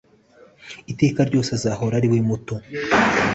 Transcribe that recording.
iteka ryose azahora ariwe muto